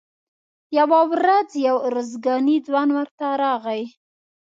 یوه ورځ یو ارزګانی ځوان ورته راغی.